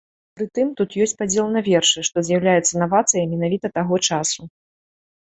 Пры тым, тут ёсць падзел на вершы, што з'яўляецца навацыяй менавіта таго часу.